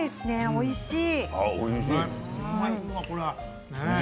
おいしい。